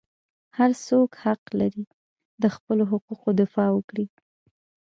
هر څوک حق لري د خپلو حقوقو دفاع وکړي.